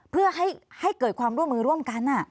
เพื่อให้เกิดความร่วมมือร่วมกัน